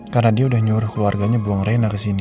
karena dia udah nyuruh keluarganya buang rena ke sini